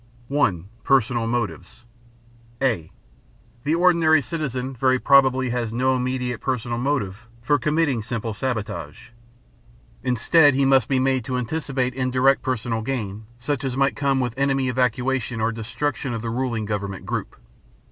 (1) Personal Motives (a) The ordinary citizen very probably has no immediate personal motive for committing simple sabotage. Instead, he must be made to anticipate indirect personal gain, such as might come with enemy evacuation or destruction of the ruling government group.